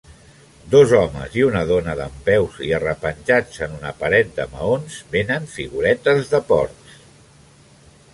Dos homes i una dona dempeus i arrepenjats en una paret de maons venen figuretes de porcs.